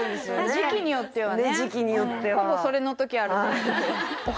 時期によってはね時期によってはしますね